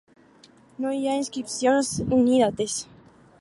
No hi ha inscripcions ni dates.